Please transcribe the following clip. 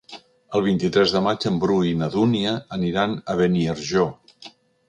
El vint-i-tres de maig en Bru i na Dúnia aniran a Beniarjó.